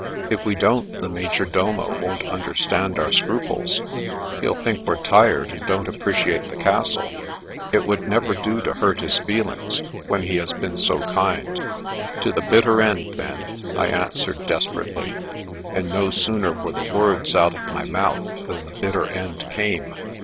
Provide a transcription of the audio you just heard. " If we don't, the major domo won't understand our scruples. He'll think we're tired, and don't appreciate the castle. It would never do to hurt his feelings, when he has been so kind." " To the bitter end, then," I answered desper ately; and no sooner were the words out of my mouth than the bitter end came.